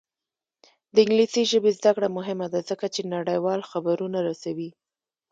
د انګلیسي ژبې زده کړه مهمه ده ځکه چې نړیوال خبرونه رسوي.